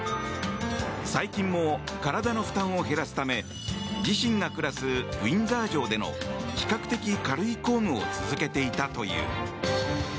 最近も、体の負担を減らすため自身が暮らすウィンザー城での比較的、軽い公務を続けていたという。